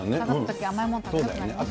甘いもの食べたくなりますよね。